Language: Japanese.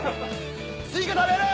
スイカ食べる！